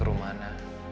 itu rumah ana